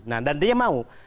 nah dan dia mau